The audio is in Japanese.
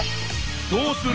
どうする？